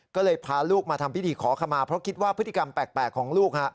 ก็เลยพาลูกมาทำพิธีขอขมาเพราะคิดว่าพฤติกรรมแปลกของลูก